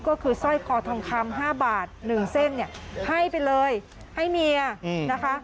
ก็คือสร้อยคอทองคำ๕บาท๑เส้นเนี่ยให้ไปเลยให้เมียนะคะ